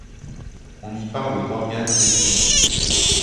On y parle d'organes régionaux.